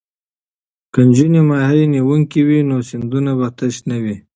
که نجونې ماهي نیونکې وي نو سیندونه به تش نه وي.